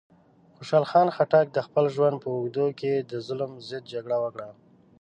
خوشحال خان خټک د خپل ژوند په اوږدو کې د ظلم ضد جګړه وکړه.